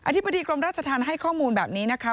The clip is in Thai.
ธิบดีกรมราชธรรมให้ข้อมูลแบบนี้นะคะ